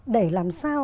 để làm sao